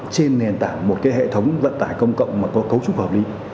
trên nền tảng một hệ thống vận tải công cộng mà có cấu trúc hợp lý